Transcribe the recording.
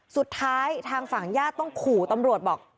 สุดท้ายทางฝั่งญาติต้องขู่ตำรวจบอก